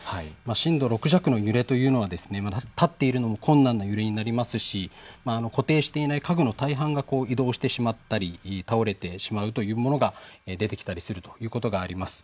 震度６弱の揺れというのは立っているのも困難な揺れになりますし固定していない家具の大半が移動してしまったり倒れてしまうというものが出てきたりするということがあります。